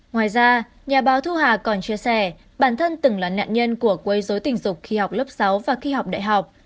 ngoài ra nhà báo thu hà còn chia sẻ bản thân từng là nạn nhân của quấy dối tình dục khi học lớp sáu và khi học đại học